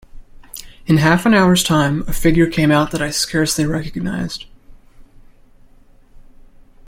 In half an hour’s time a figure came out that I scarcely recognized.